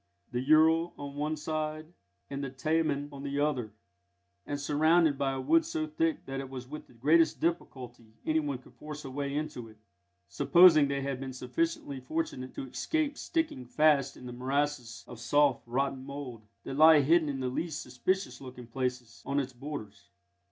_, the Ural on one side and the Taman on the other, and surrounded by a wood so thick that it was with the greatest difficulty anyone could force a way into it, supposing they had been sufficiently fortunate to escape sticking fast in the morasses of soft, rotten mould, that lie hidden in the least suspicious looking places, on its borders.